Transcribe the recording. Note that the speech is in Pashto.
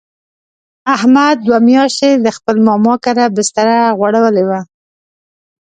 احمد دوه میاشتې د خپل ماما کره بستره غوړولې وه.